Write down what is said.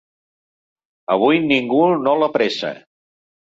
Avui ningú no l'apressa.